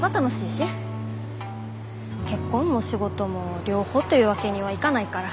結婚も仕事も両方というわけにはいかないから。